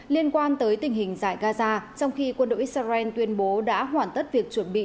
liên quan tới tình hình giải gaza trong khi quân đội israel tuyên bố đã hoàn tất việc chuẩn bị